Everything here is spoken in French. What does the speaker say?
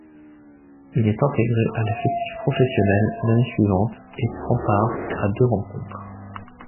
Il est intégré à l'effectif professionnel l'année suivante et prend part à deux rencontres.